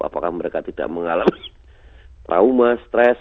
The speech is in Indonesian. apakah mereka tidak mengalami trauma stres